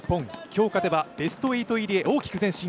今日勝てばベスト８入りへ大きく前進。